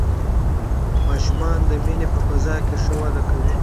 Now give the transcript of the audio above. ماشومان د مینې په فضا کې ښه وده کوي